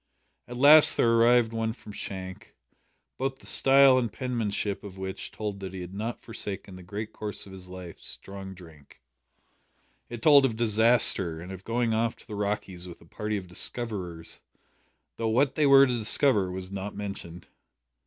At last there arrived one from Shank, both the style and penmanship of which told that he had not forsaken the great curse of his life strong drink. It told of disaster, and of going off to the "Rockies" with a party of "discoverers," though what they were to discover was not mentioned.